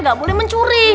gak boleh mencuri